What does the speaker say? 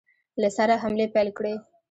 له سره حملې پیل کړې.